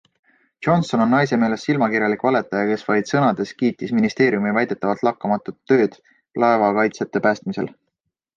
Johnson on naise meelest silmakirjalik valetaja, kes vaid sõnades kiitis ministeeriumi väidetavalt lakkamatut tööd laevakaitsjate päästmisel.